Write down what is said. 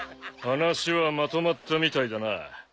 話はまとまったみたいだな。